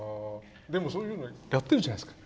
そういうのやってるじゃないですか。